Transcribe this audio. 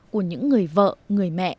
của những người vợ người mẹ